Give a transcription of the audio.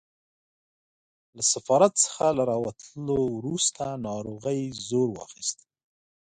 له سفارت څخه له راوتلو وروسته ناروغۍ زور واخیست.